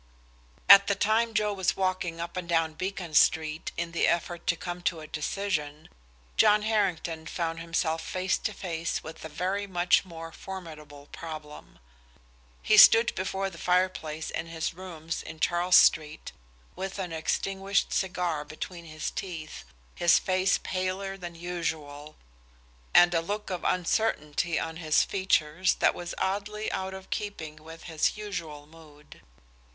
At the time Joe was walking up and down Beacon Street in the effort to come to a decision, John Harrington found himself face to face with a very much more formidable problem. He stood before the fire place in his rooms in Charles Street, with an extinguished cigar between his teeth, his face paler than usual, and a look of uncertainty on his features that was oddly out of keeping with his usual mood.